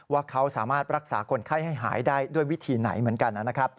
ว่าเขาสามารถรักษาคนไข้ให้หายได้ด้วยวิธีไหนเหมือนกันนะครับ